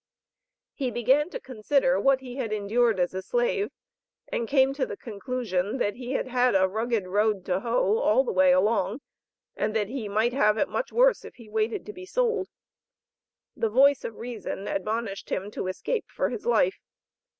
He began to consider what he had endured as a slave, and came to the conclusion that he had had a "rugged road to hoe all the way along" and that he might have it much worse if he waited to be sold. The voice of reason admonished him to escape for his life.